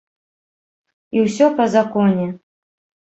І ўсё па законе.